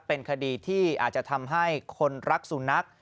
เป็นคดีที่อาจจะทำให้คนรักสุนัข